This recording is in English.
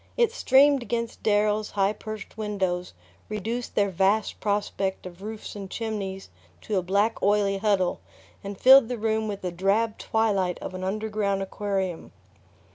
It streamed against Darrow's high perched windows, reduced their vast prospect of roofs and chimneys to a black oily huddle, and filled the room with the drab twilight of an underground aquarium.